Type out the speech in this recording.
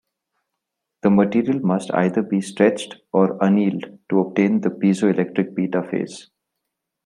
The material must either be stretched or annealed to obtain the piezoelectric beta phase.